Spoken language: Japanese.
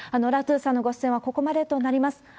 ラトゥさんのご出演はここまでとなります。